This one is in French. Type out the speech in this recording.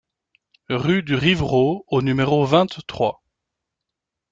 Rue du Rivraud au numéro vingt-trois